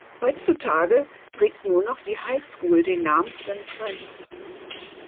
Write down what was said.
Heutzutage trägt nur noch die High School den Namen Saint Francis.